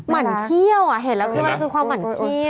หมั่นเที่ยวอ่ะเห็นแล้วคือความหมั่นเที่ยว